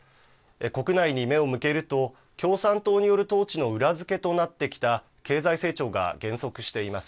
国内に目を向けると、共産党による統治の裏付けとなってきた経済成長が減速しています。